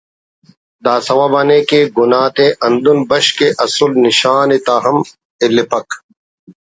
داسوب آن ءِ کہ گناہ تے ہندن ہشک کہ اسل نشان ءِ تا ہم الیپک